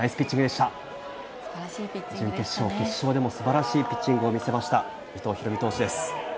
すばらしいピッチングでした準決勝、決勝でもすばらしいピッチングを見せました、伊藤大海投手です。